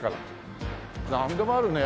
なんでもあるね